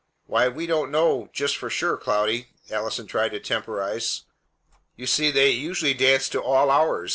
"Why, we don't know, just for sure, Cloudy," Allison tried to temporize. "You see, they usually dance to all hours.